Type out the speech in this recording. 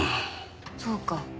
そうか。